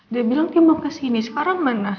dia bilang dia mau kesini sekarang mana